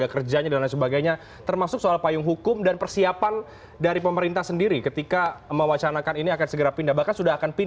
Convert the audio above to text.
kajiannya harus komprehensif